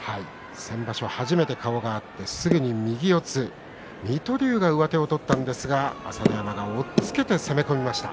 先場所、初めて顔が合って、すぐに右四つ水戸龍が上手を取ったんですが朝乃山が押っつけて攻め込みました。